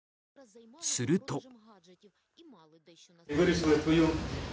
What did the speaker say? すると。